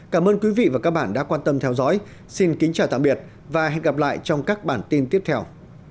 cảm ơn quý vị và các bạn đã quan tâm theo dõi xin kính chào tạm biệt và hẹn gặp lại trong các bản tin tiếp theo